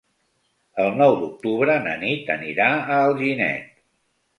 El nou d'octubre na Nit anirà a Alginet.